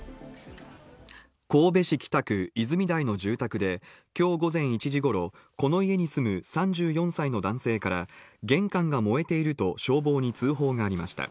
神戸市北区泉台の住宅で今日午前１時頃、この家に住む３４歳の男性から、玄関が燃えていると消防に通報がありました。